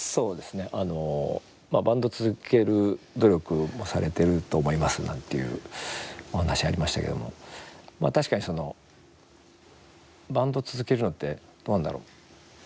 バンド続ける努力もされてると思いますなんていうお話ありましたけども確かにその、バンド続けるのってどうなんだろう。